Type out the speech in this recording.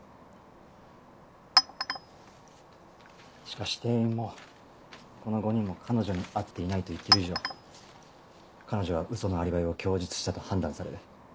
しかし店員もこの５人も彼女に会っていないと言ってる以上彼女はウソのアリバイを供述したと判断される。